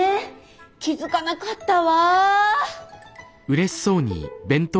気付かなかったわぁ。